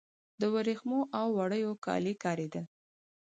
د وریښمو او وړیو کالي کاریدل